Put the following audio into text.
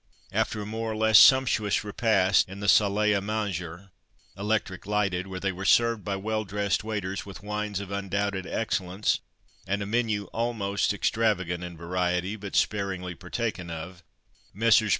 After a more or less sumptuous repast in the salle à manger, electric lighted, where they were served by well dressed waiters, with wines of undoubted excellence, and a menu almost extravagant in variety, and but sparingly partaken of; Messrs.